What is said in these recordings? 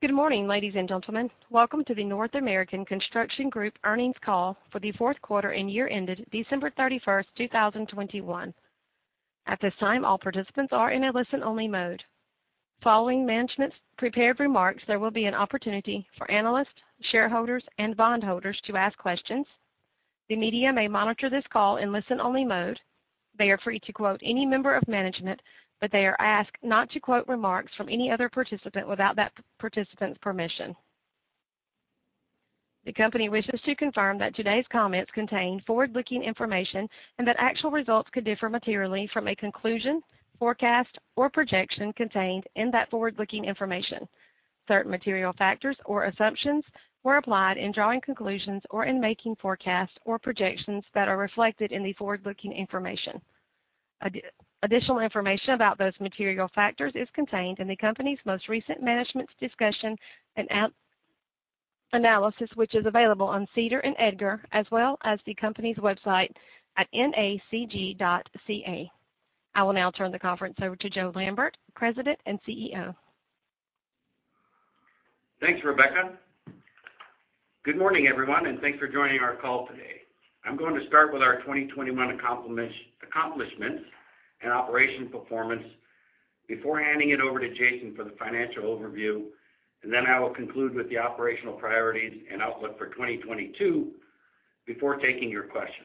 Good morning, ladies and gentlemen. Welcome to the North American Construction Group Earnings Call for The Fourth Quarter and Year Ended December 31, 2021. At this time, all participants are in a listen-only mode. Following management's prepared remarks, there will be an opportunity for analysts, shareholders and bondholders to ask questions. The media may monitor this call in listen-only mode. They are free to quote any member of management, but they are asked not to quote remarks from any other participant without that participant's permission. The company wishes to confirm that today's comments contain forward-looking information and that actual results could differ materially from a conclusion, forecast or projection contained in that forward-looking information. Certain material factors or assumptions were applied in drawing conclusions or in making forecasts or projections that are reflected in the forward-looking information. Additional information about those material factors is contained in the company's most recent management's discussion and analysis, which is available on SEDAR and EDGAR as well as the company's website at nacg.ca. I will now turn the conference over to Joe Lambert, President and CEO. Thanks, Rebecca. Good morning, everyone, and thanks for joining our call today. I'm going to start with our 2021 accomplishments and operational performance before handing it over to Jason for the financial overview. Then I will conclude with the operational priorities and outlook for 2022 before taking your questions.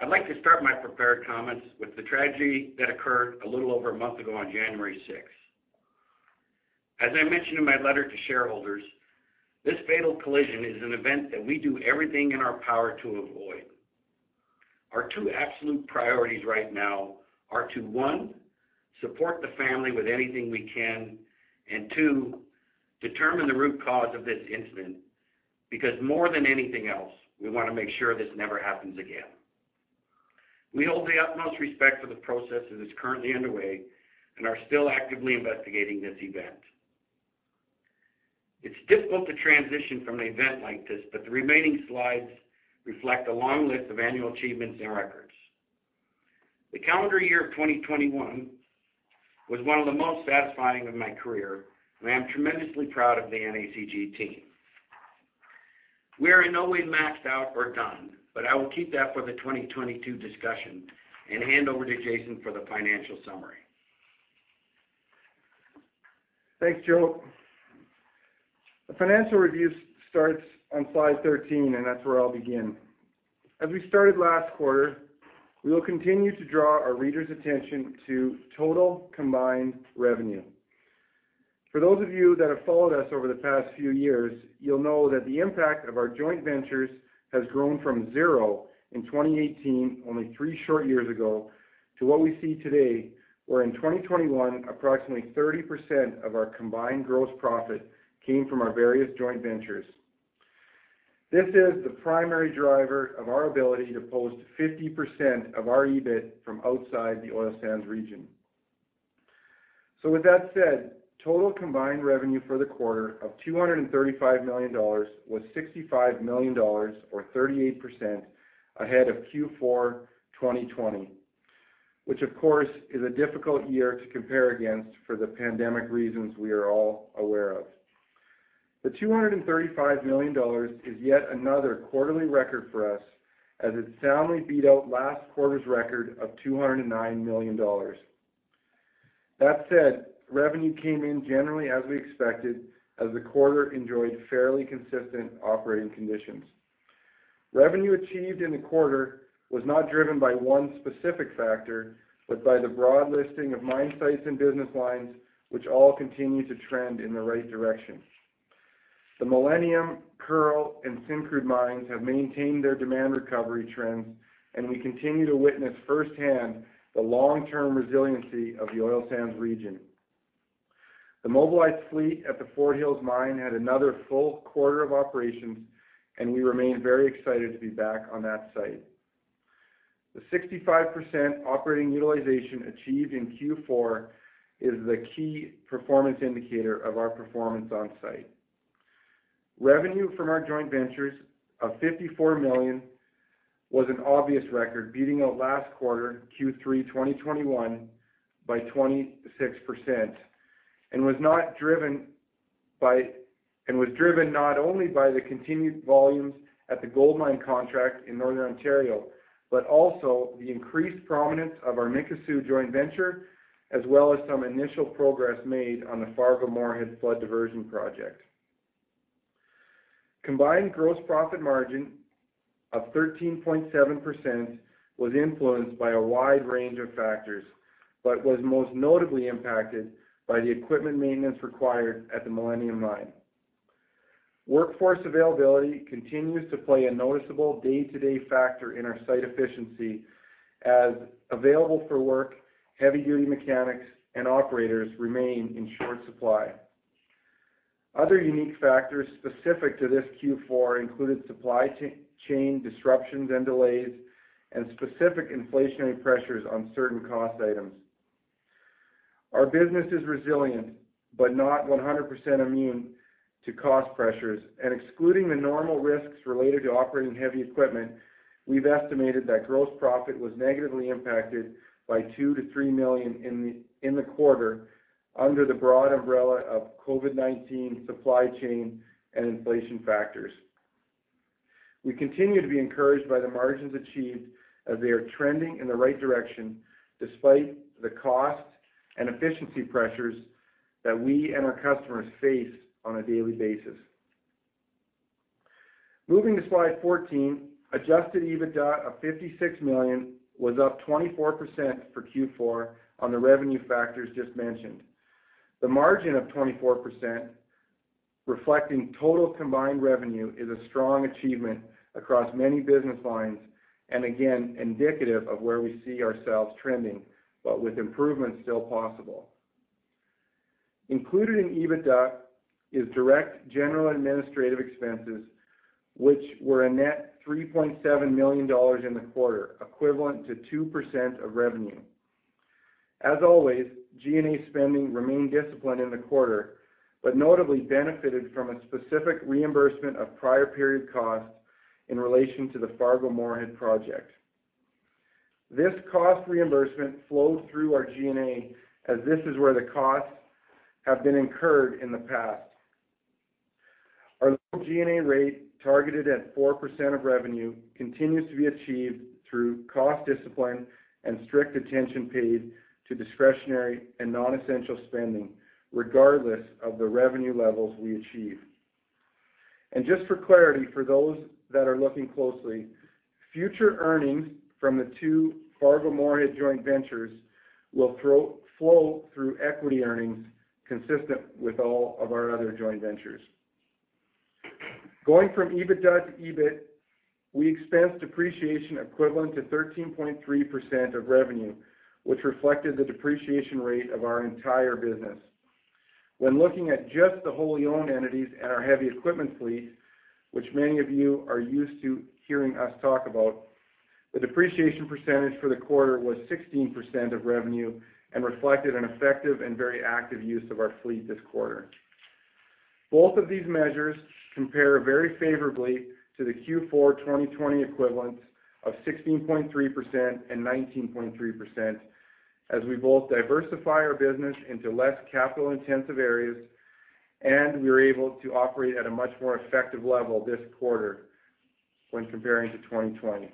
I'd like to start my prepared comments with the tragedy that occurred a little over a month ago on January 6. As I mentioned in my letter to shareholders, this fatal collision is an event that we do everything in our power to avoid. Our two absolute priorities right now are to, one, support the family with anything we can and two, determine the root cause of this incident because more than anything else, we wanna make sure this never happens again. We hold the utmost respect for the process that is currently underway and are still actively investigating this event. It's difficult to transition from an event like this, but the remaining slides reflect a long list of annual achievements and records. The calendar year of 2021 was one of the most satisfying of my career, and I'm tremendously proud of the NACG team. We are in no way maxed out or done, but I will keep that for the 2022 discussion and hand over to Jason for the financial summary. Thanks, Joe. The financial review starts on slide 13, and that's where I'll begin. As we started last quarter, we will continue to draw our readers' attention to total combined revenue. For those of you that have followed us over the past few years, you'll know that the impact of our joint ventures has grown from zero in 2018, only three short years ago, to what we see today, where in 2021 approximately 30% of our combined gross profit came from our various joint ventures. This is the primary driver of our ability to post 50% of our EBIT from outside the oil sands region. With that said, total combined revenue for the quarter of 235 million dollars was 65 million dollars or 38% ahead of Q4 2020, which of course is a difficult year to compare against for the pandemic reasons we are all aware of. 235 million dollars is yet another quarterly record for us as it soundly beat out last quarter's record of 209 million dollars. That said, revenue came in generally as we expected as the quarter enjoyed fairly consistent operating conditions. Revenue achieved in the quarter was not driven by one specific factor, but by the broad listing of mine sites and business lines which all continue to trend in the right direction. The Millennium, Kearl and Syncrude mines have maintained their demand recovery trends, and we continue to witness firsthand the long-term resiliency of the oil sands region. The mobilized fleet at the Fort Hills mine had another full quarter of operations, and we remain very excited to be back on that site. The 65% operating utilization achieved in Q4 is the key performance indicator of our performance on site. Revenue from our joint ventures of 54 million was an obvious record, beating out last quarter, Q3 2021 by 26% and was driven not only by the continued volumes at the Gold Mine contract in Northern Ontario, but also the increased prominence of our Mikisew joint venture as well as some initial progress made on the Fargo-Moorhead Flood Diversion project. Combined gross profit margin of 13.7% was influenced by a wide range of factors, but was most notably impacted by the equipment maintenance required at the Millennium Mine. Workforce availability continues to play a noticeable day-to-day factor in our site efficiency as available for work heavy-duty mechanics and operators remain in short supply. Other unique factors specific to this Q4 included supply chain disruptions and delays and specific inflationary pressures on certain cost items. Our business is resilient but not 100% immune to cost pressures and excluding the normal risks related to operating heavy equipment, we've estimated that gross profit was negatively impacted by 2 million-3 million in the quarter under the broad umbrella of COVID-19 supply chain and inflation factors. We continue to be encouraged by the margins achieved as they are trending in the right direction despite the cost and efficiency pressures that we and our customers face on a daily basis. Moving to slide 14, adjusted EBITDA of 56 million was up 24% for Q4 on the revenue factors just mentioned. The margin of 24% reflecting total combined revenue is a strong achievement across many business lines, and again, indicative of where we see ourselves trending, but with improvements still possible. Included in EBITDA is direct general and administrative expenses which were a net 3.7 million dollars in the quarter, equivalent to 2% of revenue. As always, G&A spending remained disciplined in the quarter, but notably benefited from a specific reimbursement of prior period costs in relation to the Fargo-Moorhead project. This cost reimbursement flowed through our G&A, as this is where the costs have been incurred in the past. Our low G&A rate, targeted at 4% of revenue, continues to be achieved through cost discipline and strict attention paid to discretionary and non-essential spending, regardless of the revenue levels we achieve. Just for clarity for those that are looking closely, future earnings from the two Fargo-Moorhead joint ventures will flow through equity earnings consistent with all of our other joint ventures. Going from EBITDA to EBIT, we expensed depreciation equivalent to 13.3% of revenue, which reflected the depreciation rate of our entire business. When looking at just the wholly owned entities and our heavy equipment fleet, which many of you are used to hearing us talk about, the depreciation % for the quarter was 16% of revenue and reflected an effective and very active use of our fleet this quarter. Both of these measures compare very favorably to the Q4 2020 equivalents of 16.3% and 19.3% as we both diversify our business into less capital-intensive areas, and we were able to operate at a much more effective level this quarter when comparing to 2020.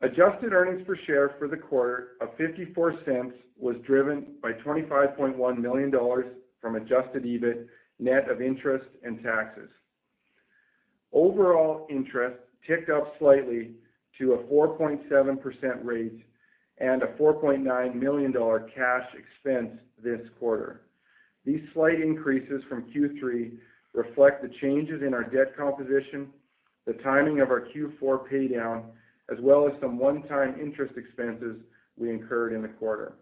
Adjusted earnings per share for the quarter of 0.54 was driven by 25.1 million dollars from adjusted EBIT, net of interest and taxes. Overall interest ticked up slightly to a 4.7% rate and a 4.9 million dollar cash expense this quarter. These slight increases from Q3 reflect the changes in our debt composition, the timing of our Q4 paydown, as well as some one-time interest expenses we incurred in the quarter.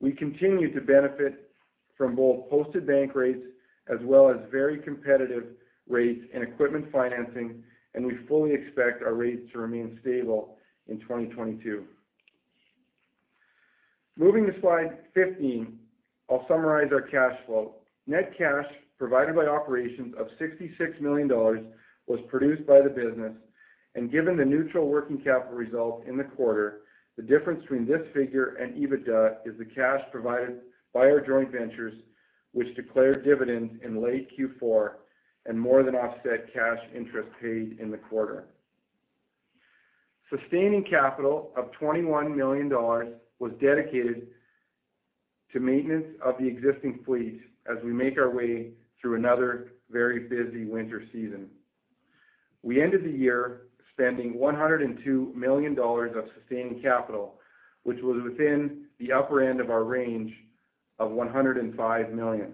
We continue to benefit from both posted bank rates as well as very competitive rates in equipment financing, and we fully expect our rates to remain stable in 2022. Moving to slide 15, I'll summarize our cash flow. Net cash provided by operations of 66 million dollars was produced by the business. Given the neutral working capital result in the quarter, the difference between this figure and EBITDA is the cash provided by our joint ventures, which declared dividends in late Q4 and more than offset cash interest paid in the quarter. Sustaining capital of 21 million dollars was dedicated to maintenance of the existing fleets as we make our way through another very busy winter season. We ended the year spending 102 million dollars of sustaining capital, which was within the upper end of our range of 105 million.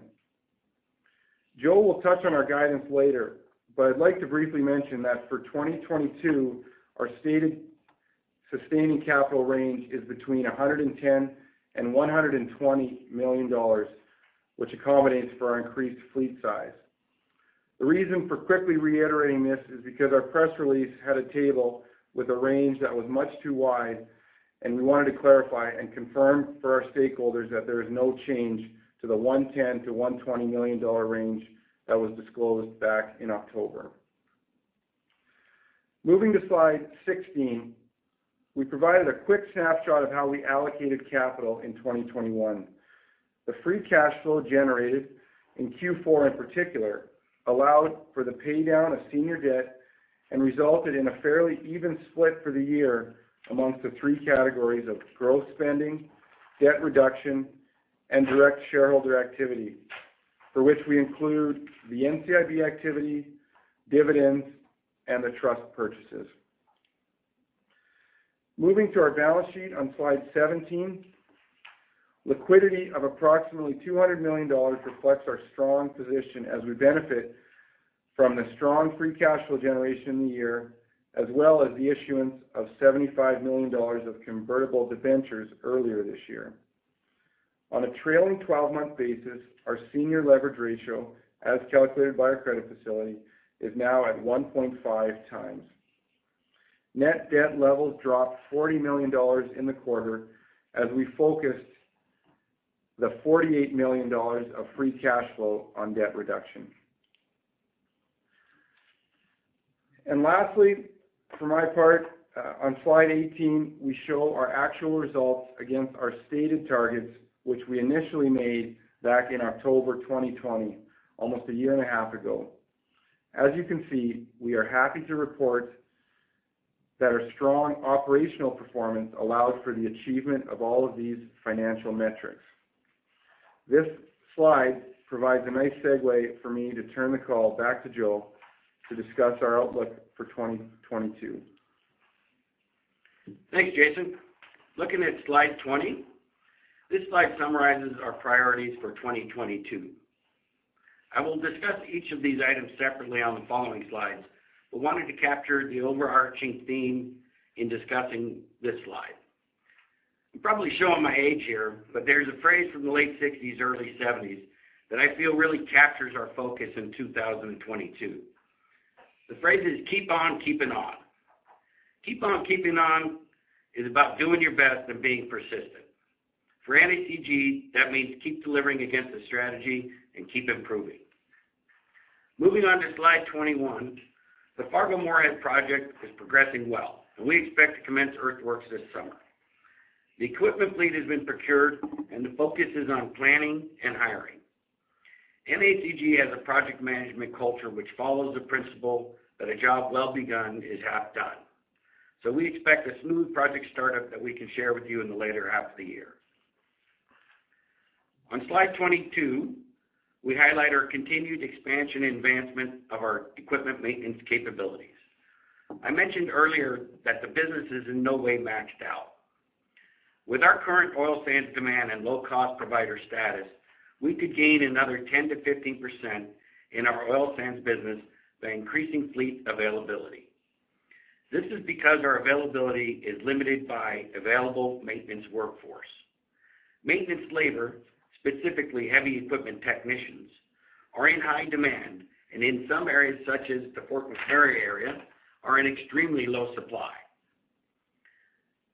Joe will touch on our guidance later, but I'd like to briefly mention that for 2022, our stated sustaining capital range is between 110 million and 120 million dollars, which accommodates for our increased fleet size. The reason for quickly reiterating this is because our press release had a table with a range that was much too wide, and we wanted to clarify and confirm for our stakeholders that there is no change to the 110 million-120 million dollar range that was disclosed back in October. Moving to slide 16, we provided a quick snapshot of how we allocated capital in 2021. The free cash flow generated in Q4 in particular allowed for the paydown of senior debt and resulted in a fairly even split for the year amongst the three categories of growth spending, debt reduction, and direct shareholder activity, for which we include the NCIB activity, dividends, and the trust purchases. Moving to our balance sheet on slide 17, liquidity of approximately 200 million dollars reflects our strong position as we benefit from the strong free cash flow generation in the year, as well as the issuance of 75 million dollars of convertible debentures earlier this year. On a trailing twelve-month basis, our senior leverage ratio, as calculated by our credit facility, is now at 1.5x. Net debt levels dropped 40 million dollars in the quarter as we focused the 48 million dollars of free cash flow on debt reduction. Lastly, for my part, on slide 18, we show our actual results against our stated targets, which we initially made back in October 2020, almost a year and a 1/2 ago. As you can see, we are happy to report that our strong operational performance allowed for the achievement of all of these financial metrics. This slide provides a nice segue for me to turn the call back to Joel to discuss our outlook for 2022. Thanks, Jason. Looking at slide 20. This slide summarizes our priorities for 2022. I will discuss each of these items separately on the following slides, but wanted to capture the overarching theme in discussing this slide. I'm probably showing my age here, but there's a phrase from the late sixties, early seventies that I feel really captures our focus in 2022. The phrase is, "Keep on keeping on." Keep on keeping on is about doing your best and being persistent. For NACG, that means keep delivering against the strategy and keep improving. Moving on to slide 21. The Fargo-Moorhead project is progressing well, and we expect to commence earthworks this summer. The equipment fleet has been procured and the focus is on planning and hiring. NACG has a project management culture which follows the principle that a job well begun is half done. We expect a smooth project startup that we can share with you in the later half of the year. On slide 22, we highlight our continued expansion and advancement of our equipment maintenance capabilities. I mentioned earlier that the business is in no way maxed out. With our current oil sands demand and low-cost provider status, we could gain another 10%-15% in our oil sands business by increasing fleet availability. This is because our availability is limited by available maintenance workforce. Maintenance labor, specifically heavy equipment technicians, are in high demand, and in some areas, such as the Fort McMurray area, are in extremely low supply.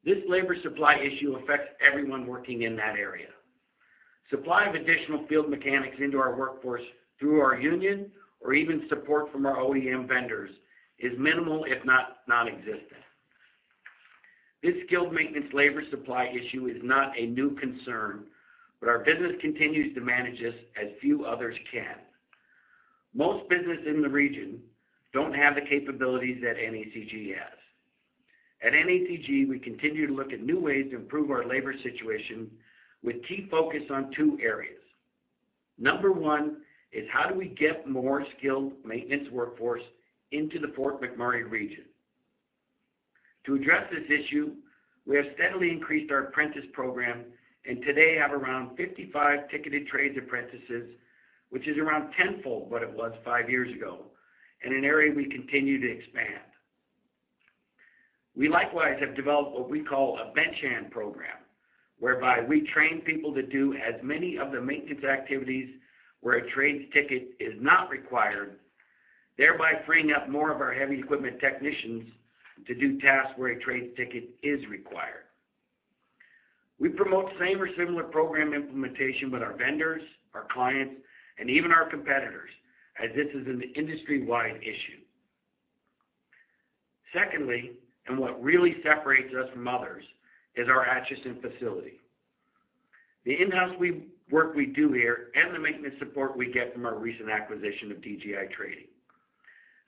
This labor supply issue affects everyone working in that area. Supply of additional field mechanics into our workforce through our union or even support from our OEM vendors is minimal, if not non-existent. This skilled maintenance labor supply issue is not a new concern, but our business continues to manage this as few others can. Most business in the region don't have the capabilities that NACG has. At NACG, we continue to look at new ways to improve our labor situation with key focus on two areas. Number one is how do we get more skilled maintenance workforce into the Fort McMurray region. To address this issue, we have steadily increased our apprentice program and today have around 55 ticketed trades apprentices, which is around tenfold what it was 5 years ago, in an area we continue to expand. We likewise have developed what we call a bench hand program, whereby we train people to do as many of the maintenance activities where a trades ticket is not required, thereby freeing up more of our heavy equipment technicians to do tasks where a trades ticket is required. We promote same or similar program implementation with our vendors, our clients, and even our competitors, as this is an industry-wide issue. Secondly, what really separates us from others is our Acheson facility, the in-house work we do here and the maintenance support we get from our recent acquisition of DGI Trading.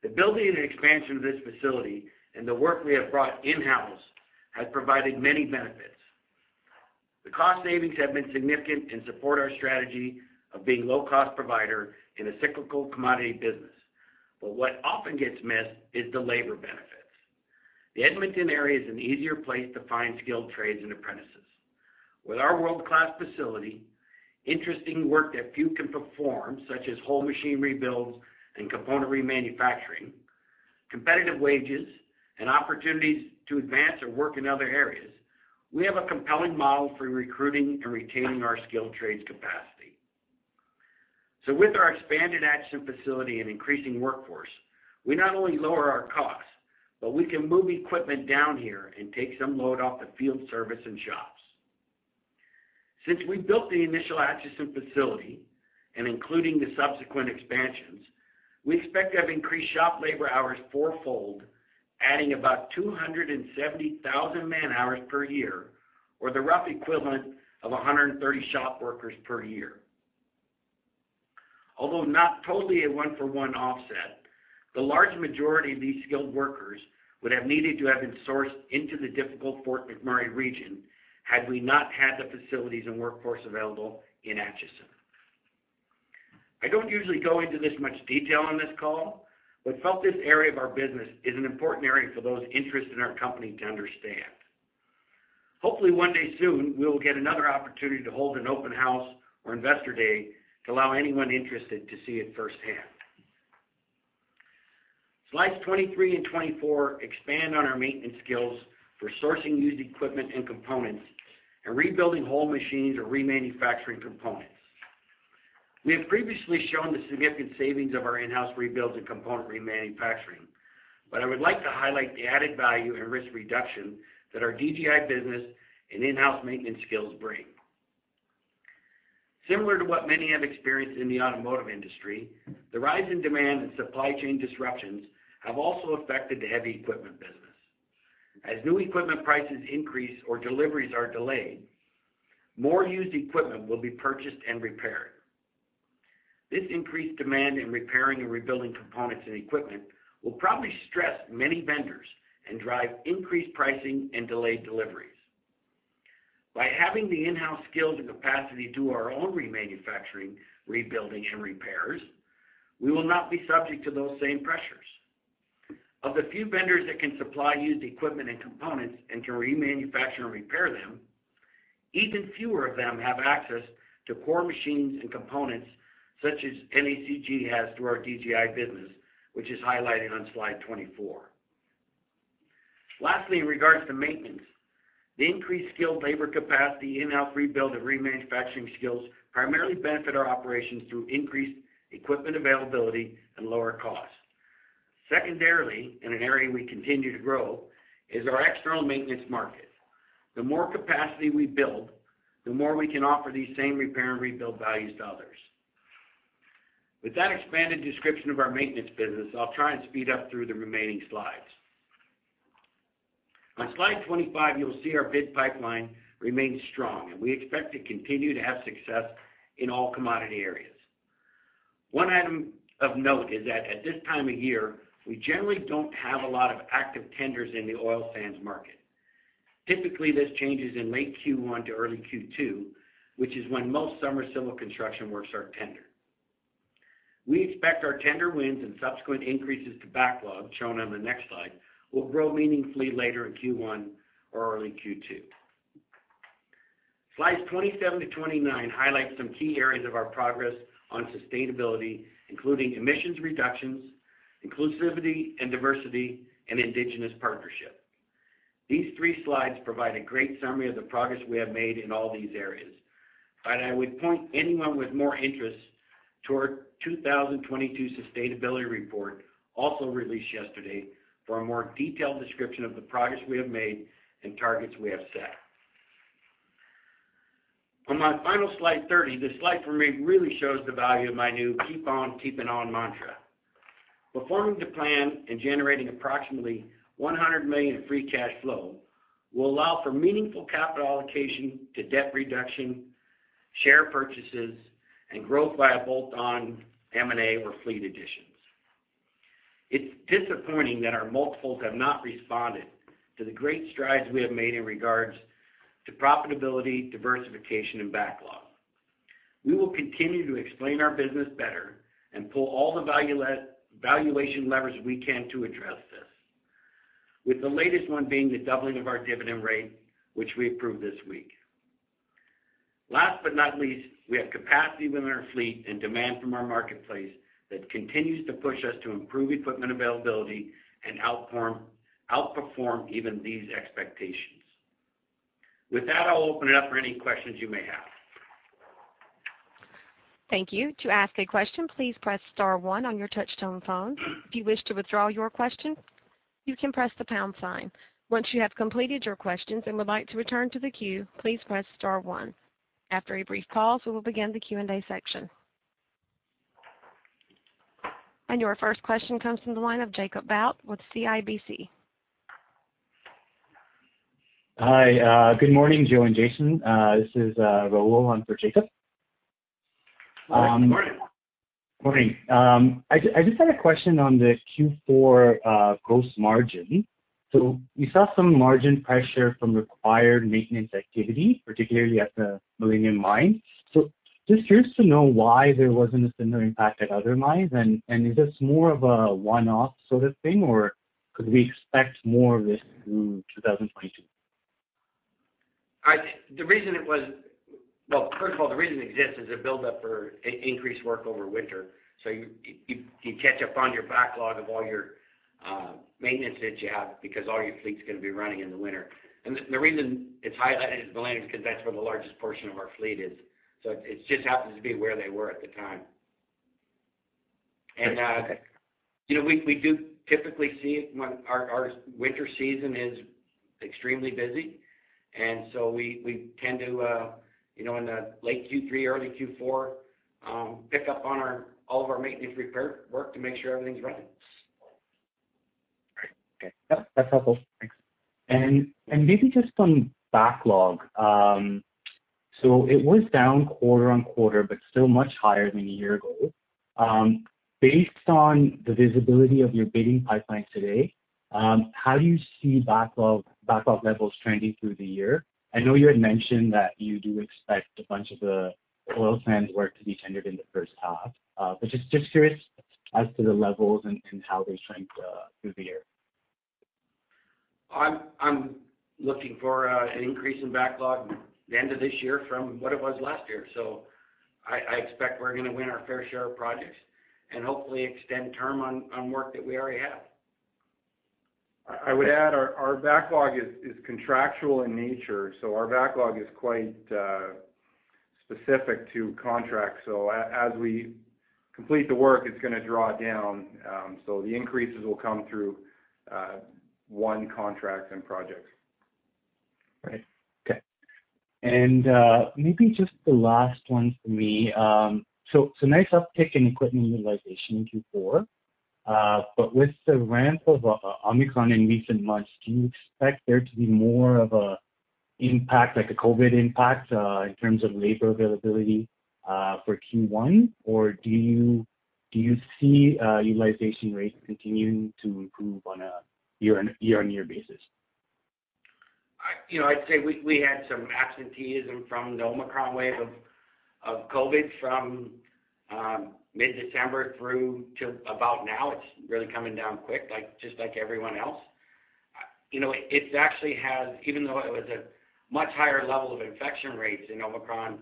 The building and expansion of this facility and the work we have brought in-house has provided many benefits. The cost savings have been significant and support our strategy of being low-cost provider in a cyclical commodity business. What often gets missed is the labor benefits. The Edmonton area is an easier place to find skilled trades and apprentices. With our world-class facility, interesting work that few can perform, such as whole machine rebuilds and component remanufacturing, competitive wages, and opportunities to advance or work in other areas, we have a compelling model for recruiting and retaining our skilled trades capacity. With our expanded Acheson facility and increasing workforce, we not only lower our costs, but we can move equipment down here and take some load off the field service and shops. Since we built the initial Acheson facility, and including the subsequent expansions, we expect to have increased shop labor hours four-fold, adding about 270,000 man-hours per year, or the rough equivalent of 130 shop workers per year. Although not totally a one-for-one offset, the large majority of these skilled workers would have needed to have been sourced into the difficult Fort McMurray region had we not had the facilities and workforce available in Acheson. I don't usually go into this much detail on this call, but felt this area of our business is an important area for those interested in our company to understand. Hopefully, one day soon, we will get another opportunity to hold an open house or investor day to allow anyone interested to see it firsthand. Slides 23 and 24 expand on our maintenance skills for sourcing used equipment and components and rebuilding whole machines or remanufacturing components. We have previously shown the significant savings of our in-house rebuilds and component remanufacturing, but I would like to highlight the added value and risk reduction that our DGI business and in-house maintenance skills bring. Similar to what many have experienced in the automotive industry, the rise in demand and supply chain disruptions have also affected the heavy equipment business. As new equipment prices increase or deliveries are delayed, more used equipment will be purchased and repaired. This increased demand in repairing and rebuilding components and equipment will probably stress many vendors and drive increased pricing and delayed deliveries. By having the in-house skills and capacity to do our own remanufacturing, rebuilding, and repairs, we will not be subject to those same pressures. Of the few vendors that can supply used equipment and components and can remanufacture and repair them, even fewer of them have access to core machines and components such as NACG has through our DGI business, which is highlighted on slide 24. Lastly, in regards to maintenance, the increased skilled labor capacity in-house rebuild and remanufacturing skills primarily benefit our operations through increased equipment availability and lower costs. Secondarily, in an area we continue to grow, is our external maintenance market. The more capacity we build, the more we can offer these same repair and rebuild values to others. With that expanded description of our maintenance business, I'll try and speed up through the remaining slides. On slide 25, you'll see our bid pipeline remains strong, and we expect to continue to have success in all commodity areas. One item of note is that at this time of year, we generally don't have a lot of active tenders in the oil sands market. Typically, this changes in late Q1 to early Q2, which is when most summer civil construction works are tendered. We expect our tender wins and subsequent increases to backlog, shown on the next slide, will grow meaningfully later in Q1 or early Q2. Slides 27 to 29 highlight some key areas of our progress on sustainability, including emissions reductions, inclusivity and diversity, and indigenous partnership. These three slides provide a great summary of the progress we have made in all these areas. I would point anyone with more interest to our 2022 sustainability report, also released yesterday, for a more detailed description of the progress we have made and targets we have set. On my final slide 30, this slide for me really shows the value of my new keep on keeping on mantra. Performing to plan and generating approximately 100 million in free cash flow will allow for meaningful capital allocation to debt reduction, share purchases, and growth via bolt-on M&A or fleet additions. It's disappointing that our multiples have not responded to the great strides we have made in regards to profitability, diversification, and backlog. We will continue to explain our business better and pull all the valuation levers we can to address this, with the latest one being the doubling of our dividend rate, which we approved this week. Last but not least, we have capacity within our fleet and demand from our marketplace that continues to push us to improve equipment availability and outperform even these expectations. With that, I'll open it up for any questions you may have. Thank you. To ask a question, please press star one on your touchtone phone. If you wish to withdraw your question, you can press the pound sign. Once you have completed your questions and would like to return to the queue, please press star one. After a brief pause, we will begin the Q&A section. Your first question comes from the line of Jacob Bout with CIBC. Hi. Good morning, Joe and Jason. This is Raul on for Jacob. Good morning. Morning. I just had a question on the Q4 gross margin. We saw some margin pressure from required maintenance activity, particularly at the Millennium Mine. Just curious to know why there wasn't a similar impact at other mines, and is this more of a one-off sort of thing, or could we expect more of this through 2022? Well, first of all, the reason it exists is a build up for increased work over winter. You catch up on your backlog of all your maintenance that you have because all your fleet's gonna be running in the winter. The reason it's highlighted at Millennium is 'cause that's where the largest portion of our fleet is. It just happens to be where they were at the time. You know, we do typically see it when our winter season is extremely busy. We tend to, you know, in the late Q3, early Q4, pick up on all of our maintenance repair work to make sure everything's ready. Great. Okay. Yep, that's helpful. Thanks. Maybe just on backlog. It was down quarter-over-quarter, but still much higher than a year ago. Based on the visibility of your bidding pipeline today, how do you see backlog levels trending through the year? I know you had mentioned that you do expect a bunch of the oil sands work to be tendered in the first half, but just curious as to the levels and how they trend through the year. I'm looking for an increase in backlog the end of this year from what it was last year. I expect we're gonna win our fair share of projects and hopefully extend term on work that we already have. I would add our backlog is contractual in nature, so our backlog is quite specific to contracts. As we complete the work, it's gonna draw down. The increases will come through won contracts and projects. Right. Okay. Maybe just the last one for me. So, nice uptick in equipment utilization in Q4. But with the ramp of Omicron in recent months, do you expect there to be more of a impact like a COVID impact in terms of labor availability for Q1? Or do you see utilization rates continuing to improve on a year-on-year basis? You know, I'd say we had some absenteeism from the Omicron wave of COVID from mid-December through to about now. It's really coming down quick, like, just like everyone else. You know, it's actually, even though it was a much higher level of infection rates in Omicron,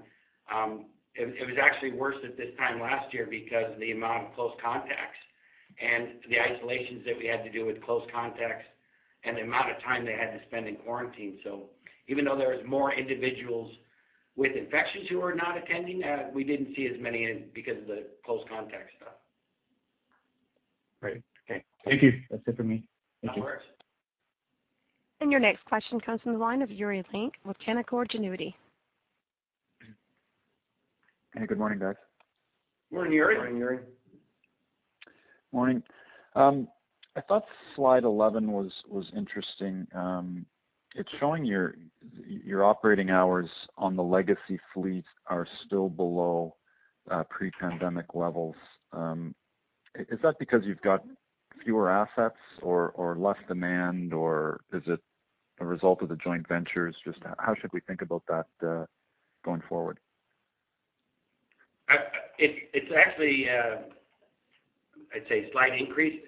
it was actually worse at this time last year because the amount of close contacts and the isolations that we had to do with close contacts and the amount of time they had to spend in quarantine. Even though there was more individuals with infections who are not attending, we didn't see as many in because of the close contact stuff. Right. Okay. Thank you. That's it for me. Thank you. No worries. Your next question comes from the line of Yuri Lynk with Canaccord Genuity. Hey, good morning, guys. Morning, Yuri. Morning, Yuri. Morning. I thought slide 11 was interesting. It's showing your operating hours on the legacy fleet are still below pre-pandemic levels. Is that because you've got fewer assets or less demand, or is it a result of the joint ventures? Just how should we think about that going forward? It's actually, I'd say, a slight increase.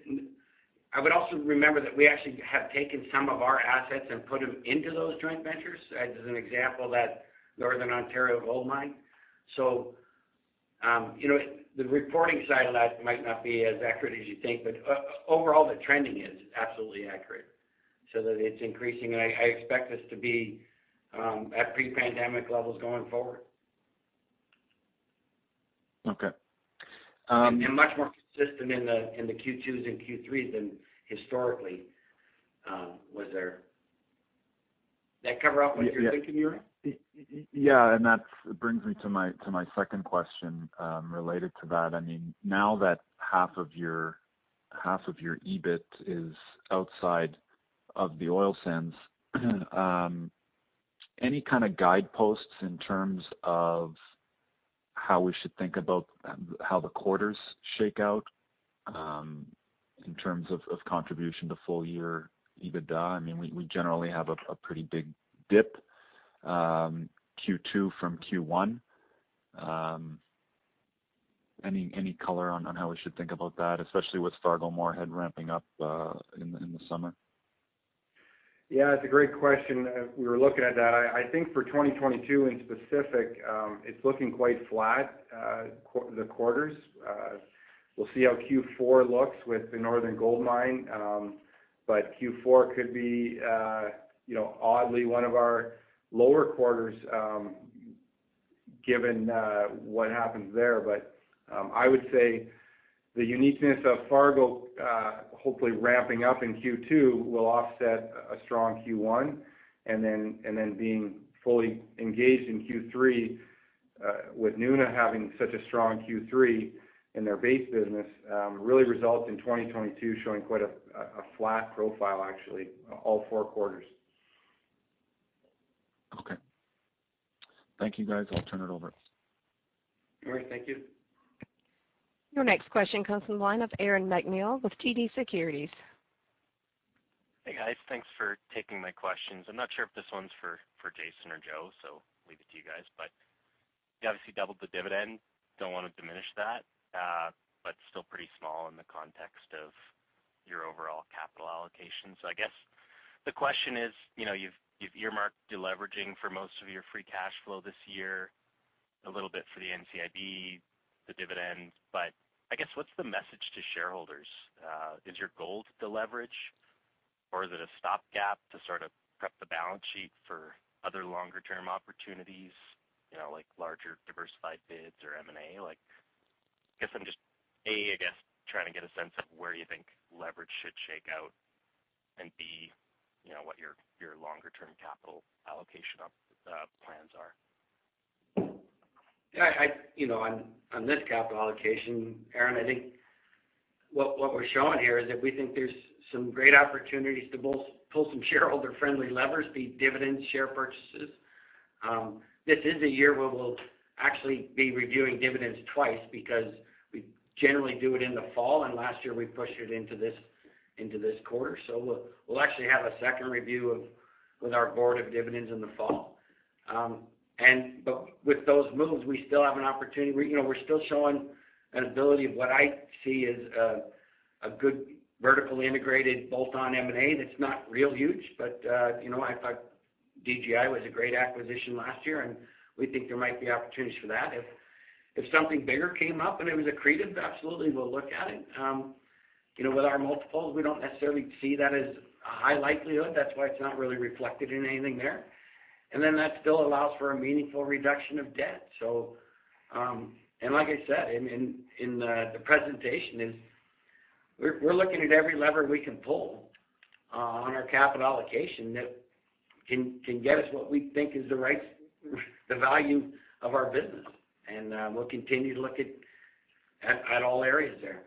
I would also remember that we actually have taken some of our assets and put them into those joint ventures. As an example, that Northern Ontario gold mine. You know, the reporting side of that might not be as accurate as you think, but overall, the trending is absolutely accurate, so that it's increasing. I expect this to be at pre-pandemic levels going forward. Okay. Much more consistent in the Q2s and Q3s than there was historically. That covers what you're thinking, Yuri? That brings me to my second question, related to that. I mean, now that half of your EBIT is outside of the oil sands, any kind of guideposts in terms of how we should think about how the quarters shake out, in terms of contribution to full year EBITDA? I mean, we generally have a pretty big dip, Q2 from Q1. Any color on how we should think about that, especially with Fargo-Moorhead ramping up, in the summer? Yeah, it's a great question. We were looking at that. I think for 2022 in specific, it's looking quite flat, the quarters. We'll see how Q4 looks with the Northern Gold Mine. Q4 could be, you know, oddly one of our lower quarters, given what happens there. I would say the uniqueness of Fargo, hopefully ramping up in Q2 will offset a strong Q1, and then being fully engaged in Q3, with Nuna having such a strong Q3 in their base business, really results in 2022 showing quite a flat profile, actually, all four quarters. Okay. Thank you, guys. I'll turn it over. All right. Thank you. Your next question comes from the line of Aaron MacNeil with TD Securities. Hey, guys. Thanks for taking my questions. I'm not sure if this one's for Jason or Joe, so leave it to you guys. You obviously doubled the dividend. Don't want to diminish that, but still pretty small in the context of your overall capital allocation. I guess the question is, you know, you've earmarked deleveraging for most of your free cash flow this year, a little bit for the NCIB, the dividend. I guess what's the message to shareholders? Is your goal to deleverage or is it a stopgap to sort of prep the balance sheet for other longer-term opportunities, you know, like larger diversified bids or M&A? Like, I guess I'm just, A, I guess, trying to get a sense of where you think leverage should shake out, and B, you know, what your longer-term capital allocation plans are. Yeah, I you know on this capital allocation, Aaron, I think what we're showing here is that we think there's some great opportunities to both pull some shareholder-friendly levers, be dividends, share purchases. This is a year where we'll actually be reviewing dividends twice because we generally do it in the fall, and last year we pushed it into this quarter. We'll actually have a second review with our board of dividends in the fall. But with those moves, we still have an opportunity. We you know we're still showing an ability of what I see as a good vertically integrated bolt-on M&A that's not real huge. But you know DGI was a great acquisition last year, and we think there might be opportunities for that. If something bigger came up and it was accretive, absolutely, we'll look at it. You know, with our multiples, we don't necessarily see that as a high likelihood. That's why it's not really reflected in anything there. That still allows for a meaningful reduction of debt. Like I said in the presentation, we're looking at every lever we can pull on our capital allocation that can get us what we think is the right value of our business. We'll continue to look at all areas there.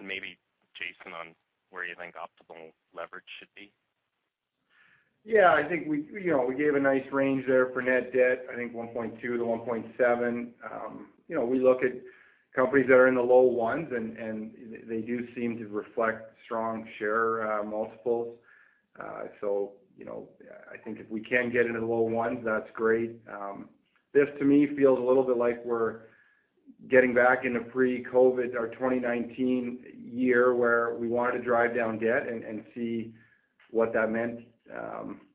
Maybe Jason, on where you think optimal leverage should be? Yeah, I think we, you know, we gave a nice range there for net debt. I think 1.2x-1.7x. You know, we look at companies that are in the low ones and they do seem to reflect strong share multiples. So, you know, I think if we can get into the low ones, that's great. This to me feels a little bit like we're getting back into pre-COVID or 2019 year where we wanted to drive down debt and see what that meant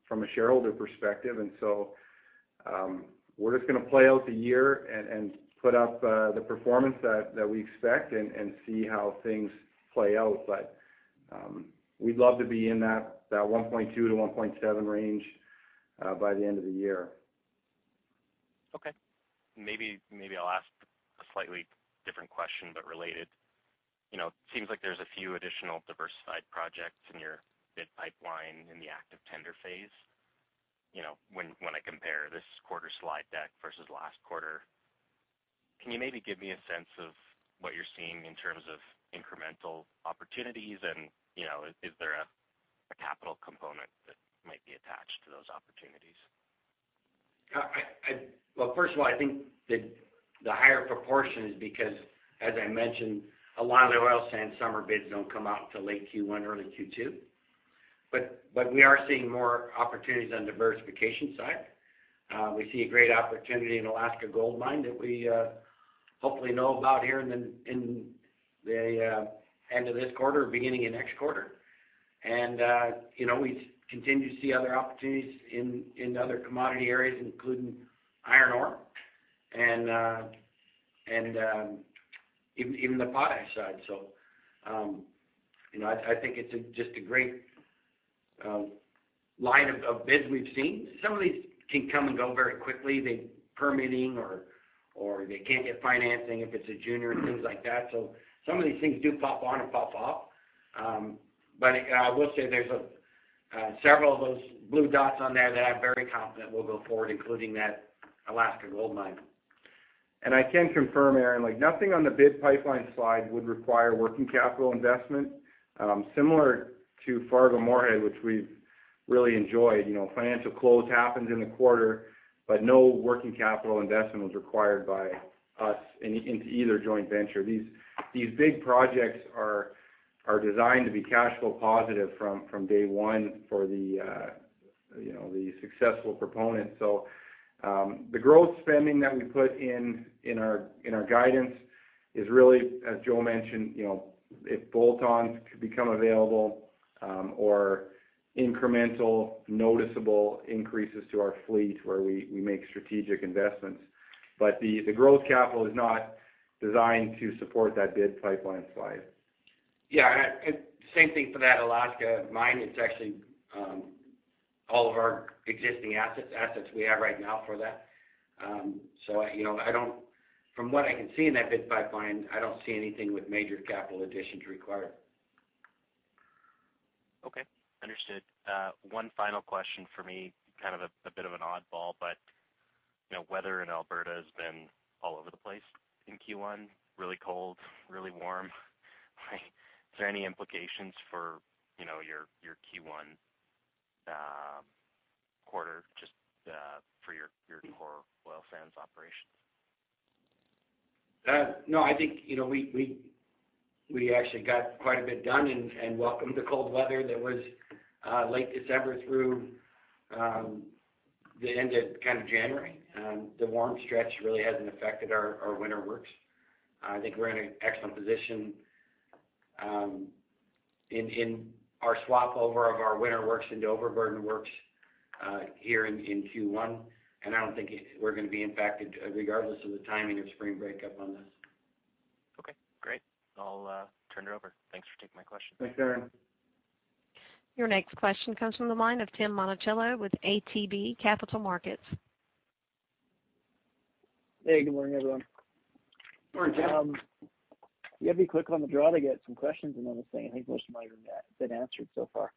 from a shareholder perspective. We're just gonna play out the year and put up the performance that we expect and see how things play out. We'd love to be in that 1.2x-1.7x range by the end of the year. Okay. Maybe I'll ask a slightly different question, but related. You know, it seems like there's a few additional diversified projects in your bid pipeline in the active tender phase, you know, when I compare this quarter slide deck vs last quarter. Can you maybe give me a sense of what you're seeing in terms of incremental opportunities? You know, is there a capital component that might be attached to those opportunities? Well, first of all, I think the higher proportion is because, as I mentioned, a lot of the oil sands summer bids don't come out until late Q1, early Q2. We are seeing more opportunities on the diversification side. We see a great opportunity in Alaska gold mine that we hopefully know about here in the end of this quarter or beginning of next quarter. You know, we continue to see other opportunities in other commodity areas, including iron ore and even the potash side. You know, I think it's just a great line of bids we've seen. Some of these can come and go very quickly. Permitting or they can't get financing if it's a junior and things like that. Some of these things do pop on and pop off. I will say there's several of those blue dots on there that I'm very confident will go forward, including that Alaska goldmine. I can confirm, Aaron, like nothing on the bid pipeline slide would require working capital investment. Similar to Fargo-Moorhead, which we've really enjoyed. You know, financial close happens in the quarter, but no working capital investment was required by us into either joint venture. These big projects are designed to be cash flow positive from day one for the successful proponents. The growth spending that we put in our guidance is really, as Joe mentioned, you know, if bolt-ons could become available, or incremental noticeable increases to our fleet where we make strategic investments. The growth capital is not designed to support that bid pipeline slide. Yeah. Same thing for that Alaska mine. It's actually all of our existing assets we have right now for that. From what I can see in that bid pipeline, I don't see anything with major capital additions required. Okay. Understood. One final question for me, kind of a bit of an oddball. You know, weather in Alberta has been all over the place in Q1, really cold, really warm. Is there any implications for, you know, your Q1 quarter just for your core oil sands operations? No, I think, you know, we actually got quite a bit done and welcomed the cold weather that was late December through the end of kind of January. The warm stretch really hasn't affected our winter works. I think we're in an excellent position in our swap over of our winter works into overburden works here in Q1. I don't think we're gonna be impacted regardless of the timing of spring break up on this. Okay, great. I'll turn it over. Thanks for taking my question. Thanks, Aaron. Your next question comes from the line of Tim Monachello with ATB Capital Markets. Hey, good morning, everyone. Morning, Tim. You had me quick on the draw to get some questions in on this thing. I think most of mine have been answered so far.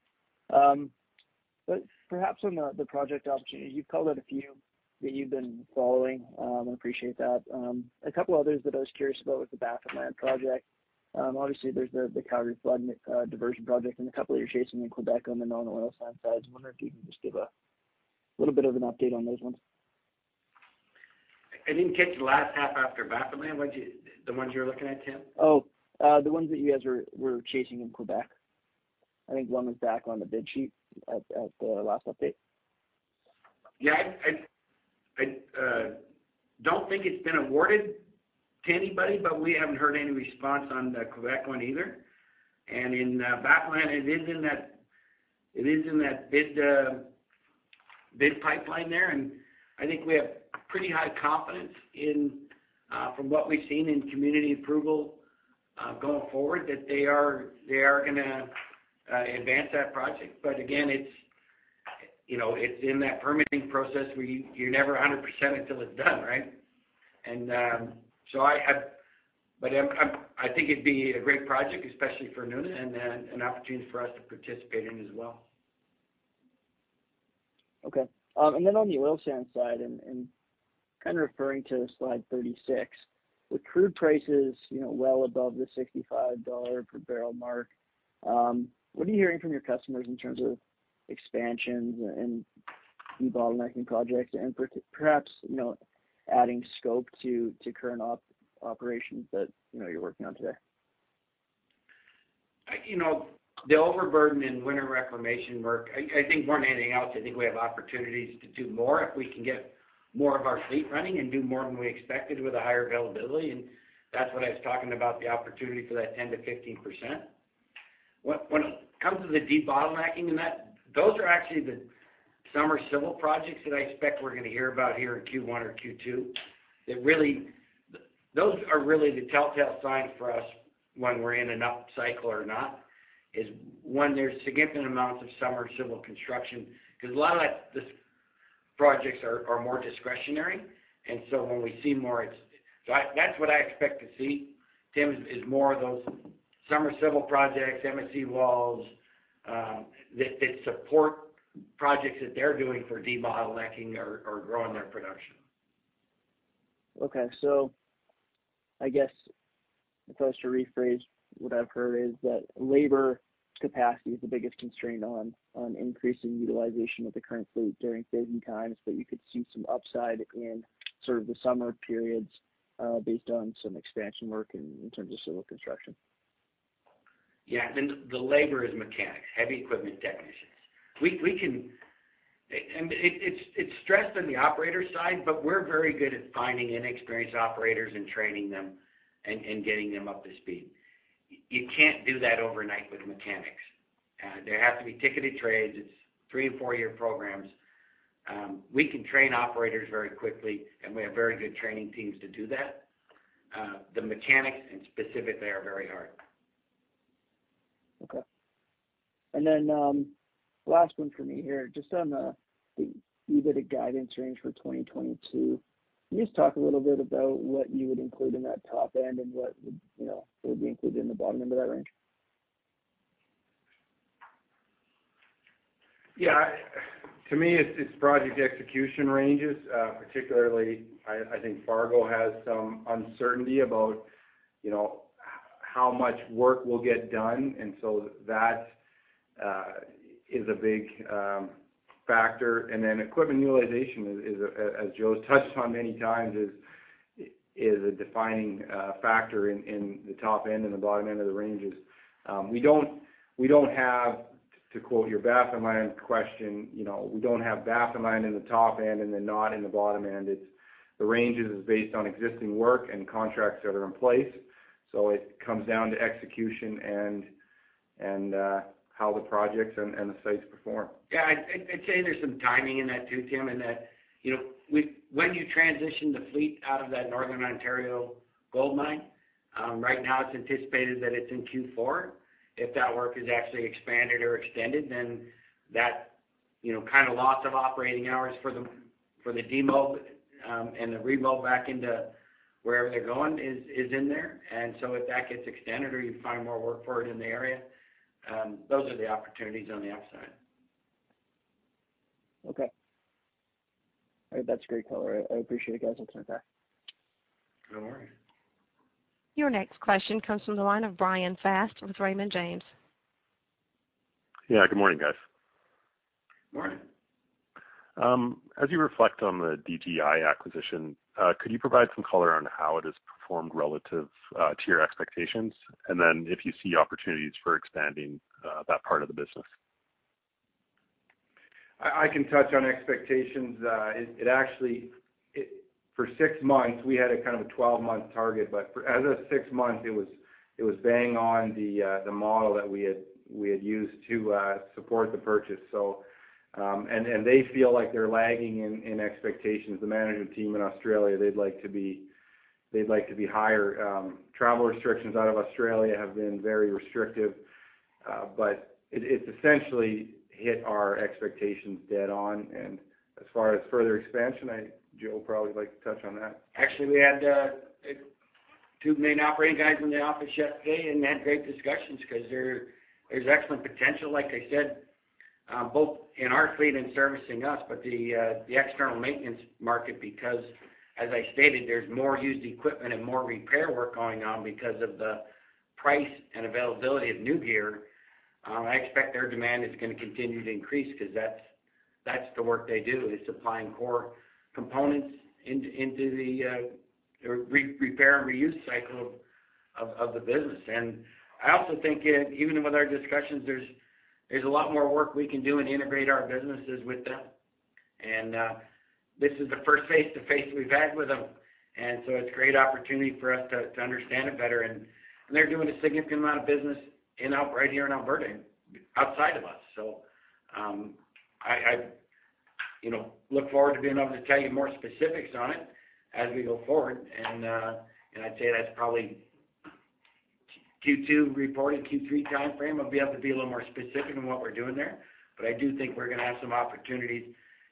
Perhaps on the project opportunity. You've called out a few that you've been following, and appreciate that. A couple others that I was curious about was the Baffinland project. Obviously, there's the Calgary flood diversion project and a couple that you're chasing in Quebec on the non-oil sands side. I was wondering if you can just give a little bit of an update on those ones. I didn't catch the last half after Baffinland. The ones you're looking at, Tim? Oh, the ones that you guys were chasing in Quebec. I think one was back on the bid sheet at the last update. Yeah, I don't think it's been awarded to anybody, but we haven't heard any response on the Quebec one either. In Baffinland, it is in that bid pipeline there. I think we have pretty high confidence in from what we've seen in community approval going forward that they are gonna advance that project. Again, it's, you know, it's in that permitting process where you're never 100% until it's done, right? I think it'd be a great project, especially for Nuna and an opportunity for us to participate in as well. Okay. On the oil sands side and kind of referring to slide 36, with crude prices, you know, well above the $65 per barrel mark, what are you hearing from your customers in terms of expansions and debottlenecking projects and perhaps, you know, adding scope to current operations that, you know, you're working on today? You know, the overburden in winter reclamation work, I think more than anything else, I think we have opportunities to do more if we can get more of our fleet running and do more than we expected with a higher availability. That's what I was talking about, the opportunity for that 10%-15%. When it comes to the de-bottlenecking and that, those are actually the summer civil projects that I expect we're gonna hear about here in Q1 or Q2. Those are really the telltale signs for us when we're in an up cycle or not, is when there's significant amounts of summer civil construction. 'Cause a lot of that, these projects are more discretionary. When we see more. That's what I expect to see, Tim, is more of those summer civil projects, MSE walls, that support projects that they're doing for de-bottlenecking or growing their production. Okay. I guess if I was to rephrase what I've heard is that labor capacity is the biggest constraint on increasing utilization of the current fleet during season times, but you could see some upside in sort of the summer periods, based on some expansion work in terms of civil construction. Yeah. The labor is mechanics, heavy equipment technicians. It's stressed on the operator side, but we're very good at finding inexperienced operators and training them and getting them up to speed. You can't do that overnight with mechanics. They have to be ticketed trades. It's three- and four-year programs. We can train operators very quickly, and we have very good training teams to do that. The mechanics, specifically, they are very hard. Okay. Last one for me here. Just on the EBITDA guidance range for 2022. Can you just talk a little bit about what you would include in that top end and what, you know, would be included in the bottom end of that range? Yeah. To me, it's project execution ranges. Particularly, I think Fargo has some uncertainty about, you know, how much work will get done, and that is a big factor. Equipment utilization is, as Joe's touched on many times, a defining factor in the top end and the bottom end of the ranges. We don't have, to quote your Baffinland question, you know, we don't have Baffinland in the top end and then not in the bottom end. It's the ranges is based on existing work and contracts that are in place. It comes down to execution and how the projects and the sites perform. Yeah. I'd say there's some timing in that too, Tim, in that, you know, when you transition the fleet out of that Northern Ontario gold mine, right now it's anticipated that it's in Q4. If that work is actually expanded or extended, then that, you know, kind of loss of operating hours for the demo and the remob back into wherever they're going is in there. If that gets extended or you find more work for it in the area, those are the opportunities on the upside. Okay. All right. That's great color. I appreciate you guys looking at that. Good morning. Your next question comes from the line of Bryan Fast with Raymond James. Yeah. Good morning, guys. Morning. As you reflect on the DGI acquisition, could you provide some color on how it has performed relative to your expectations? Then if you see opportunities for expanding that part of the business. I can touch on expectations. It actually for six months we had a kind of twelve-month target, but as of six months it was bang on the model that we had used to support the purchase. They feel like they're lagging in expectations. The management team in Australia, they'd like to be higher. Travel restrictions out of Australia have been very restrictive. But it's essentially hit our expectations dead on. As far as further expansion, Joe would probably like to touch on that. Actually, we had two main operating guys in the office yesterday and had great discussions 'cause there's excellent potential, like I said, both in our fleet and servicing us. The external maintenance market, because as I stated, there's more used equipment and more repair work going on because of the price and availability of new gear. I expect their demand is gonna continue to increase 'cause that's the work they do, is supplying core components into the repair and reuse cycle of the business. I also think even with our discussions, there's a lot more work we can do and integrate our businesses with them. This is the first face-to-face we've had with them. It's a great opportunity for us to understand it better. They're doing a significant amount of business right here in Alberta outside of us. I, you know, look forward to being able to tell you more specifics on it as we go forward. I'd say that's probably Q2 reporting, Q3 timeframe. I'll be able to be a little more specific on what we're doing there. I do think we're gonna have some opportunities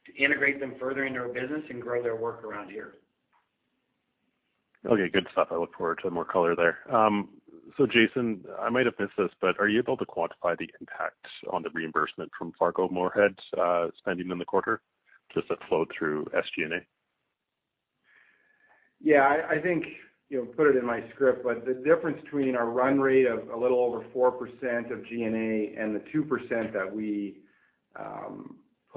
to integrate them further in their business and grow their work around here. Okay, good stuff. I look forward to more color there. Jason, I might have missed this, but are you able to quantify the impact on the reimbursement from Fargo-Moorhead spending in the quarter? Does that flow through SG&A? Yeah, I think, you know, put it in my script, but the difference between our run rate of a little over 4% of G&A and the 2% that we posted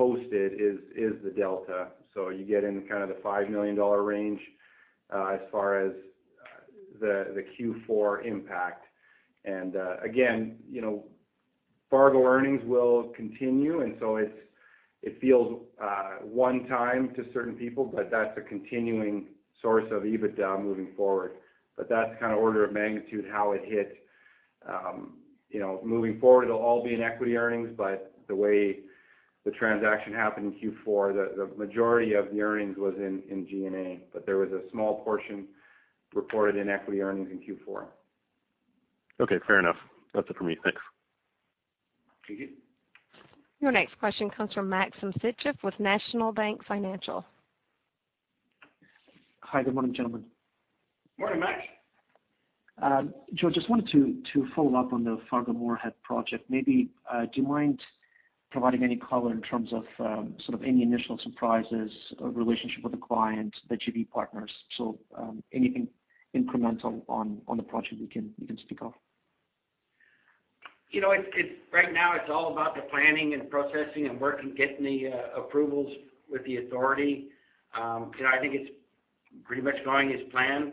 is the delta. So you get in kind of the 5 million dollar range as far as the Q4 impact. Again, you know, Fargo earnings will continue, and so it feels one time to certain people, but that's a continuing source of EBITDA moving forward. That's kind of order of magnitude, how it hit. You know, moving forward, it'll all be in equity earnings, but the way the transaction happened in Q4, the majority of the earnings was in G&A. There was a small portion reported in equity earnings in Q4. Okay, fair enough. That's it for me. Thanks. Thank you. Your next question comes from Maxim Sytchev with National Bank Financial. Hi, good morning, gentlemen. Morning, Max. Joe, just wanted to follow up on the Fargo-Moorhead project. Maybe do you mind providing any color in terms of sort of any initial surprises or relationship with the client, the JV partners? Anything incremental on the project you can speak of. You know, it's right now, it's all about the planning and the processing and work and getting the approvals with the authority. You know, I think it's pretty much going as planned.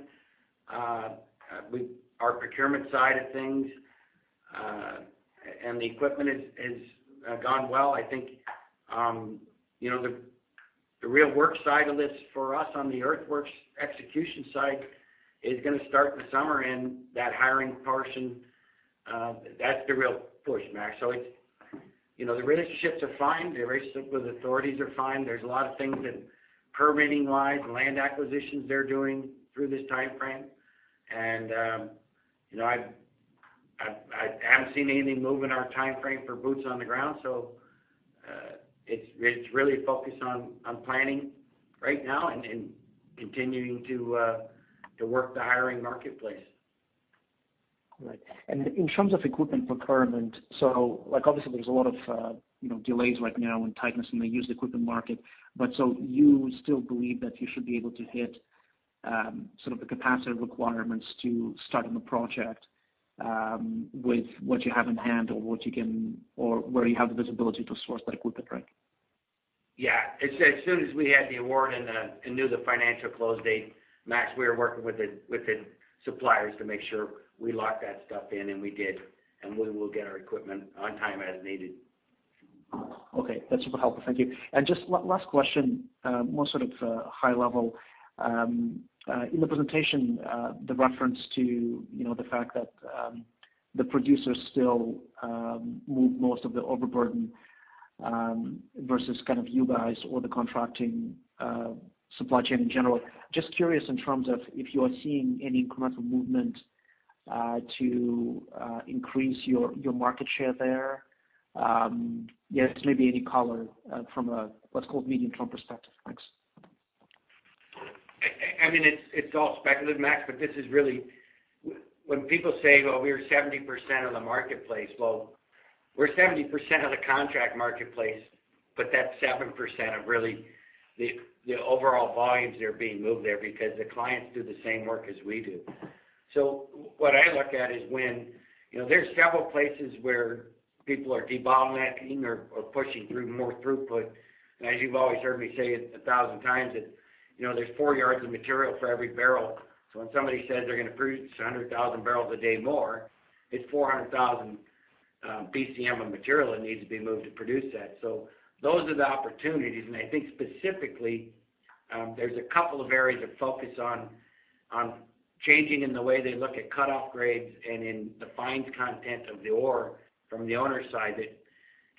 Our procurement side of things and the equipment has gone well. I think, you know, the real work side of this for us on the earthworks execution side is gonna start in the summer, and that hiring portion, that's the real push, Max. It's, you know, the relationships are fine. The relationship with authorities are fine. There's a lot of things in permitting-wise and land acquisitions they're doing through this timeframe. You know, I've haven't seen anything move in our timeframe for boots on the ground. It's really focused on planning right now and continuing to work the hiring marketplace. Right. In terms of equipment procurement, so like, obviously, there's a lot of, you know, delays right now and tightness in the used equipment market. You still believe that you should be able to hit, sort of the capacity requirements to starting the project, with what you have in hand or where you have the visibility to source that equipment, right? Yeah. As soon as we had the award and knew the financial close date, Max, we were working with the suppliers to make sure we locked that stuff in, and we did, and we will get our equipment on time as needed. Okay. That's super helpful. Thank you. Just last question, more sort of, high level. In the presentation, the reference to, you know, the fact that, the producers still, move most of the overburden, vs kind of you guys or the contracting, supply chain in general. Just curious in terms of if you are seeing any incremental movement, to, increase your market share there. Yes, maybe any color, from a what's called medium-term perspective. Thanks. I mean, it's all speculative, Max, but this is really. When people say, well, we are 70% of the marketplace, well, we're 70% of the contract marketplace, but that's 7% of really the overall volumes that are being moved there because the clients do the same work as we do. What I look at is when, you know, there's several places where people are debottlenecking or pushing through more throughput. As you've always heard me say it 1,000 times, that, you know, there's four yards of material for every barrel. When somebody says they're gonna produce 100,000 barrels a day more, it's 400,000 BCM of material that needs to be moved to produce that. Those are the opportunities. I think specifically, there's a couple of areas of focus on changing in the way they look at cutoff grades and in the fines content of the ore from the owner's side that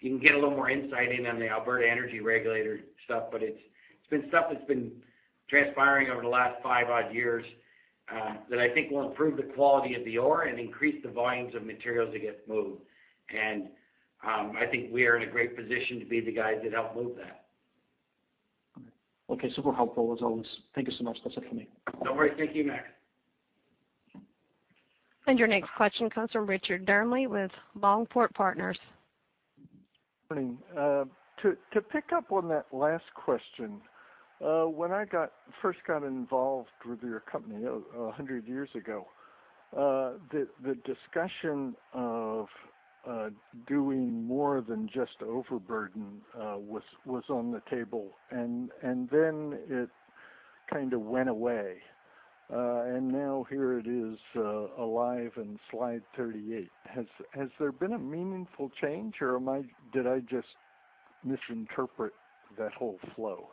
you can get a little more insight in on the Alberta Energy Regulator stuff. It's been stuff that's been transpiring over the last five odd years, that I think will improve the quality of the ore and increase the volumes of materials that get moved. I think we are in a great position to be the guys that help move that. Okay. Super helpful as always. Thank you so much. That's it for me. No worries. Thank you, Max. Your next question comes from Richard Dearnley with Longport Partners. Morning. To pick up on that last question, when I first got involved with your company a hundred years ago, the discussion of. Doing more than just overburden was on the table, and then it kind of went away. Now here it is alive in slide 38. Has there been a meaningful change, or did I just misinterpret that whole flow?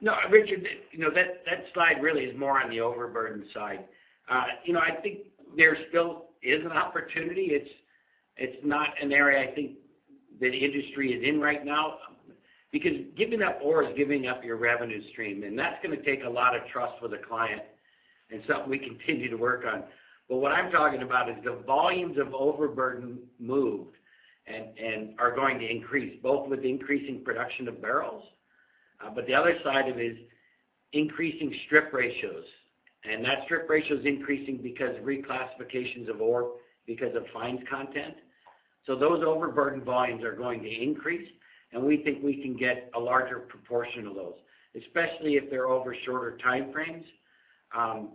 No, Richard, you know, that slide really is more on the overburden side. You know, I think there still is an opportunity. It's not an area I think the industry is in right now, because giving up ore is giving up your revenue stream. That's gonna take a lot of trust with a client, and something we continue to work on. What I'm talking about is the volumes of overburden moved and are going to increase, both with increasing production of barrels. The other side of it is increasing strip ratios. That strip ratio is increasing because of reclassifications of ore because of fines content. Those overburden volumes are going to increase, and we think we can get a larger proportion of those, especially if they're over shorter time frames,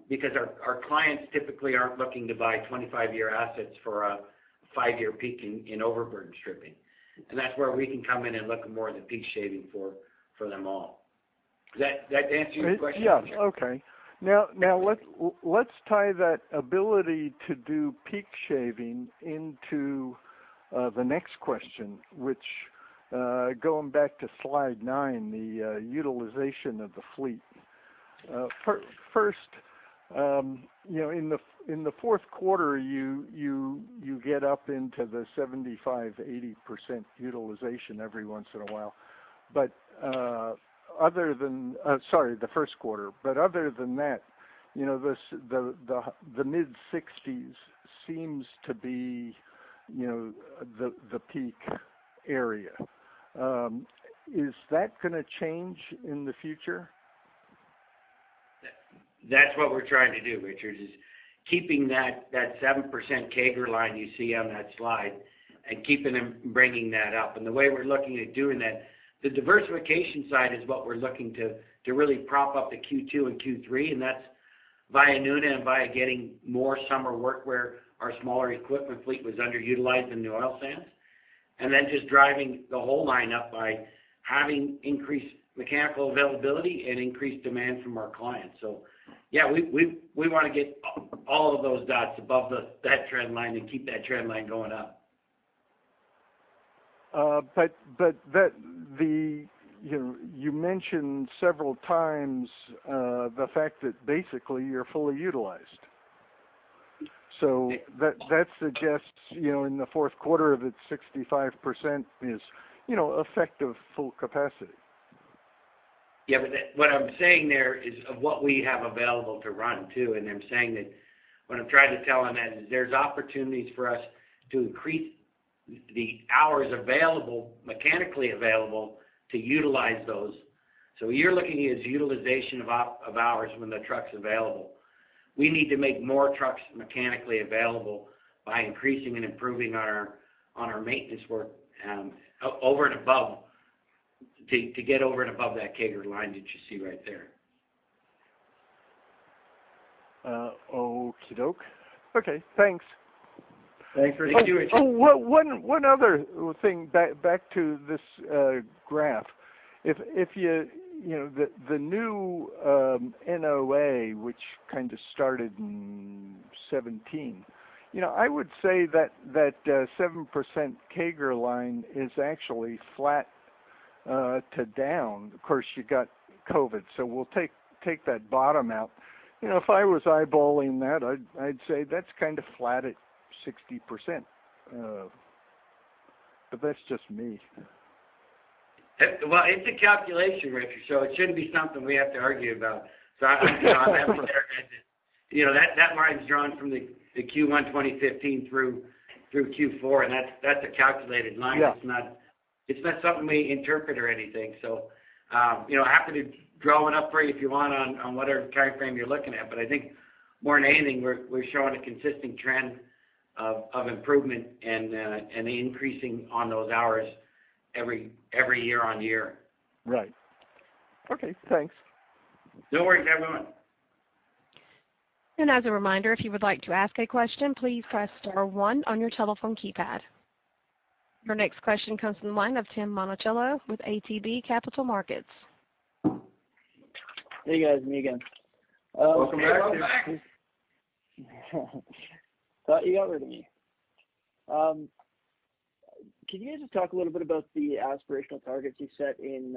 because our clients typically aren't looking to buy 25-year asset for a five-year peak in overburden stripping. That's where we can come in and look more at the peak shaving for them all. Does that answer your question? Yes. Okay. Let's tie that ability to do peak shaving into the next question, which, going back to slide nine, the utilization of the fleet. First, you know, in the fourth quarter, you get up into 75%-80% utilization every once in a while. But other than that, sorry, the first quarter. But other than that, you know, the mid-60s% seems to be, you know, the peak area. Is that gonna change in the future? That's what we're trying to do, Richard, is keeping that 7% CAGR line you see on that slide and keeping them bringing that up. The way we're looking at doing that, the diversification side is what we're looking to really prop up the Q2 and Q3, and that's via Nuna and via getting more summer work where our smaller equipment fleet was underutilized in the oil sands. Just driving the whole line up by having increased mechanical availability and increased demand from our clients. Yeah, we wanna get all of those dots above that trend line and keep that trend line going up. You mentioned several times the fact that basically you're fully utilized. Yeah. That suggests, you know, in the fourth quarter of it, 65% is, you know, effective full capacity. What I'm saying there is of what we have available to run, too. I'm saying that what I'm trying to tell on that is there's opportunities for us to increase the hours available, mechanically available, to utilize those. What you're looking at is utilization of our hours when the truck's available. We need to make more trucks mechanically available by increasing and improving on our maintenance work over and above that CAGR line that you see right there. Okie doke. Okay, thanks. Thanks for the Q, Richard. Oh, one other thing back to this graph. If you're you know, the new NOA, which kind of started in 2017. You know, I would say that 7% CAGR line is actually flat to down. Of course, you got COVID, so we'll take that bottom out. You know, if I was eyeballing that, I'd say that's kind of flat at 60%. But that's just me. Well, it's a calculation, Richard, so it shouldn't be something we have to argue about. I'm good on that one there. You know, that line's drawn from the Q1 2015 through Q4, and that's a calculated line. Yeah. It's not something we interpret or anything. You know, happy to draw one up for you if you want on whatever time frame you're looking at. I think more than anything, we're showing a consistent trend of improvement and increasing on those hours every year-over-year. Right. Okay, thanks. No worries, everyone. As a reminder, if you would like to ask a question, please press star one on your telephone keypad. Your next question comes from the line of Tim Monachello with ATB Capital Markets. Hey, guys. Me again. Welcome back. Thought you got rid of me. Can you guys just talk a little bit about the aspirational targets you set in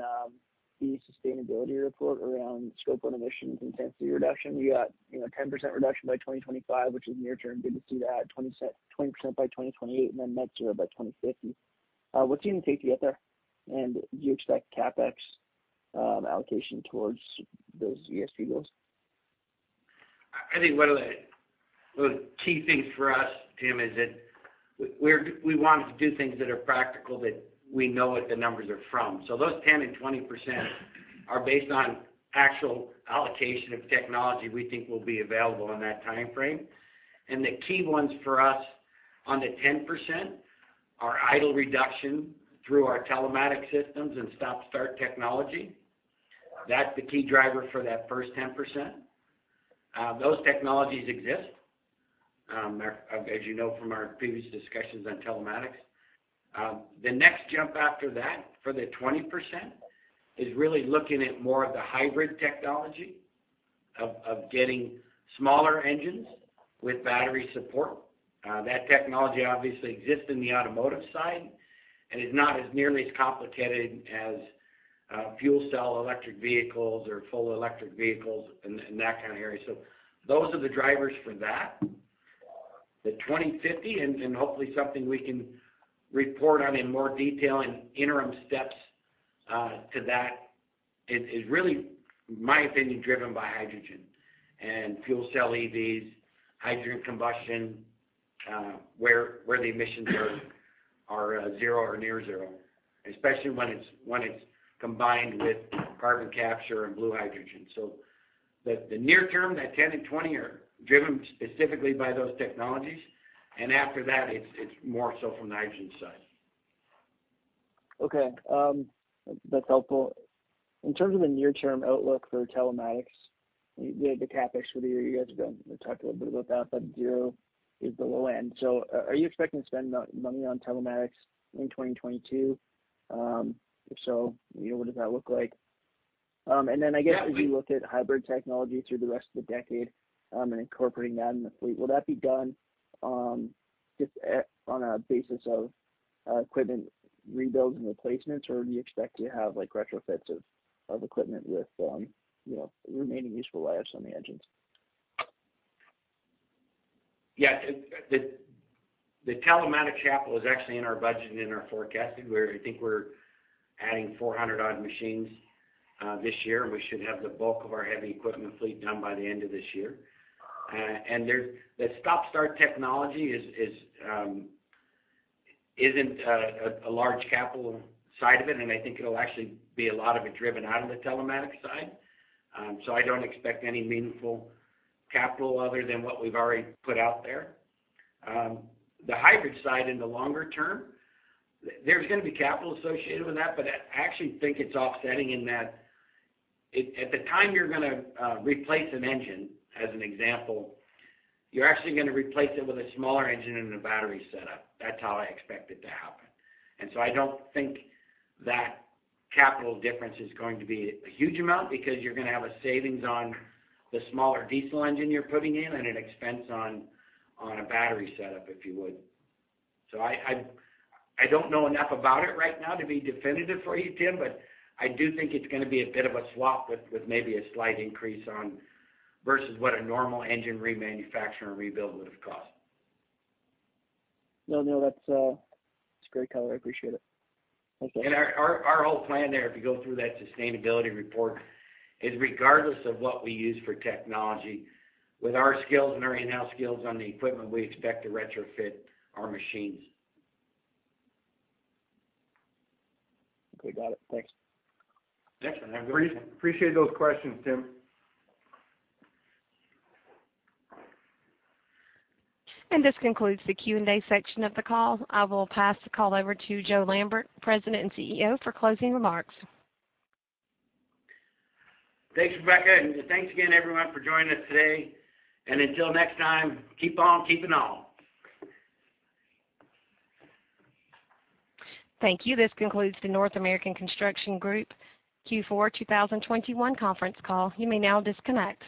the sustainability report around scope one emissions intensity reduction? You got, you know, 10% reduction by 2025, which is near term. Good to see that. 20% by 2028, and then net zero by 2050. What's the intensity get there? And do you expect CapEx allocation towards those ESG goals? I think one of the key things for us, Tim, is that we wanted to do things that are practical, that we know what the numbers are from. Those 10% and 20% are based on actual allocation of technology we think will be available in that time frame. The key ones for us on the 10% are idle reduction through our telematics systems and stop start technology. That's the key driver for that first 10%. Those technologies exist, as you know, from our previous discussions on telematics. The next jump after that for the 20% is really looking at more of the hybrid technology of getting smaller engines with battery support. That technology obviously exists in the automotive side and is not nearly as complicated as fuel cell electric vehicles or full electric vehicles and that kind of area. So those are the drivers for that. 2050 and hopefully something we can report on in more detail and interim steps to that is really, my opinion, driven by hydrogen and fuel cell EVs, hydrogen combustion, where the emissions are zero or near zero, especially when it's combined with carbon capture and blue hydrogen. So the near term, that 10% and 20% are driven specifically by those technologies. After that, it's more so from the hydrogen side. Okay. That's helpful. In terms of the near-term outlook for telematics, the CapEx for the year, you guys have talked a little bit about that, but zero is the low end. Are you expecting to spend money on telematics in 2022? If so, you know, what does that look like? I guess as you look at hybrid technology through the rest of the decade, and incorporating that in the fleet, will that be done just on a basis of equipment rebuilds and replacements, or do you expect to have, like, retrofits of equipment with, you know, remaining useful lives on the engines? Yeah. The telematics capital is actually in our budget and in our forecasting, where I think we're adding 400 odd machines this year. We should have the bulk of our heavy equipment fleet done by the end of this year. The stop-start technology isn't a large capital side of it, and I think it'll actually be a lot of it driven out of the telematics side. I don't expect any meaningful capital other than what we've already put out there. The hybrid side in the longer term, there's going to be capital associated with that, but I actually think it's offsetting in that at the time you're gonna replace an engine, as an example, you're actually gonna replace it with a smaller engine and a battery setup. That's how I expect it to happen. I don't think that capital difference is going to be a huge amount because you're going to have a savings on the smaller diesel engine you're putting in and an expense on a battery setup, if you would. I don't know enough about it right now to be definitive for you, Tim, but I do think it's going to be a bit of a swap with maybe a slight increase on vs what a normal engine remanufacture and rebuild would have cost. No, no, that's great, Tyler. I appreciate it. Thank you. Our whole plan there, if you go through that sustainability report, is regardless of what we use for technology, with our skills and our in-house skills on the equipment, we expect to retrofit our machines. Okay. Got it. Thanks. Yeah. Appreciate those questions, Tim. This concludes the Q&A section of the call. I will pass the call over to Joe Lambert, President and CEO, for closing remarks. Thanks, Rebecca. Thanks again, everyone, for joining us today. Until next time, keep on keeping on. Thank you. This concludes the North American Construction Group Q4 2021 Conference Call. You may now disconnect.